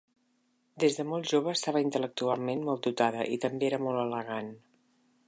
Des de molt jove estava intel·lectualment molt dotada i també era molt elegant.